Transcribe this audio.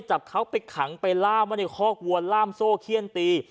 จับเขาไปขังไปล่ามไว้ในคอกวัวล่ามโซ่เขี้ยนตี